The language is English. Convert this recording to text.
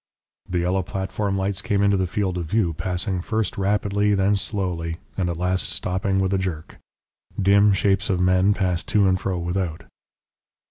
The yellow platform lights came into the field of view, passing first rapidly, then slowly, and at last stopping with a jerk. Dim shapes of men passed to and fro without.